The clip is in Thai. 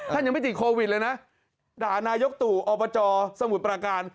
ท่านยังไม่ติดโควิดเลยนะด่านายกตู่อบจสมุทรประการ